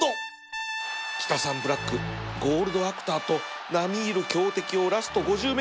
キタサンブラックゴールドアクターと並み居る強敵をラスト ５０ｍ